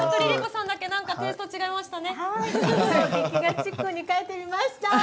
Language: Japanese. さんだけテーストが違いましたね。